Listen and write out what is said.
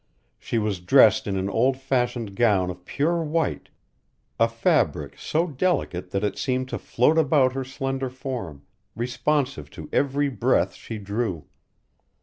She was dressed in an old fashioned gown of pure white, a fabric so delicate that it seemed to float about her slender form, responsive to every breath she drew.